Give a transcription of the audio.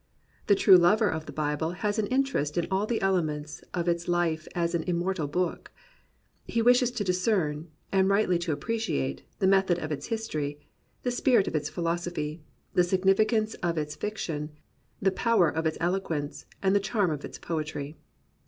The true lover of the Bible has an interest in all the elements of its life as an immortal book. He wishes to discern, and rightly to appreciate, the method of its history, the spirit of its philosophy, the significance of its fiction, the power of its elo quence, and the charm of its poetry.